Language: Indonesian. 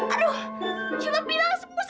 aduh ruslan tinggal ini diam aduh